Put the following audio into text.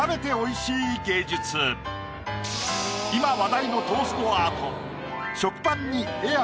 今話題のトーストアート。